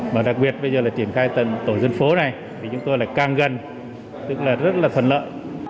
mà đặc biệt bây giờ là triển khai tổ dân phố này thì chúng tôi lại càng gần tức là rất là thuận lợi